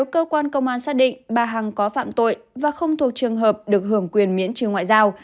cơ quan công an xác định bà hằng có phạm tội và không thuộc trường hợp được hưởng quyền miễn trừ ngoại giao